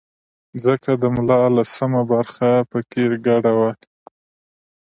ځکه د ملا لسمه برخه په کې ګډه وه.